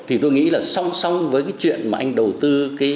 thì tôi nghĩ là song song với cái chuyện mà anh đầu tư